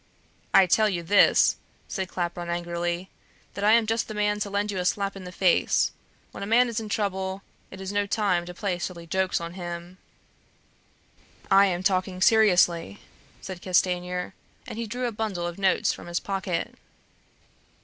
"I tell you this," said Claparon angrily, "that I am just the man to lend you a slap in the face. When a man is in trouble, it is no time to play silly jokes on him." "I am talking seriously," said Castanier, and he drew a bundle of notes from his pocket.